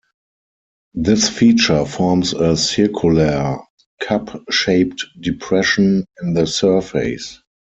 This feature forms a circular, cup-shaped depression in the surface.